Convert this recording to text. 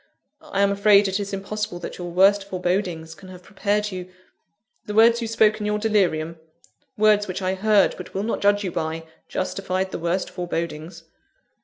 I am afraid it is impossible that your worst forebodings can have prepared you " "The words you spoke in your delirium words which I heard, but will not judge you by justified the worst forebodings."